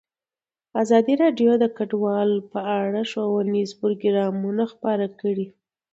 ازادي راډیو د کډوال په اړه ښوونیز پروګرامونه خپاره کړي.